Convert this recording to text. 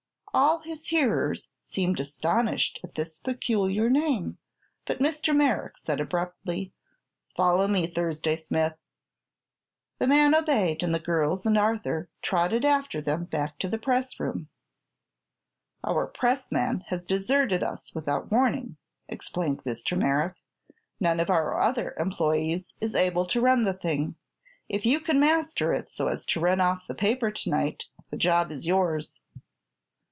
All his hearers seemed astonished at this peculiar name, but Mr. Merrick said abruptly: "Follow me, Thursday Smith." The man obeyed, and the girls and Arthur trotted after them back to the pressroom. "Our pressman has deserted us without warning," explained Mr. Merrick. "None of our other employees is able to run the thing. If you can master it so as to run off the paper tonight, the job is yours."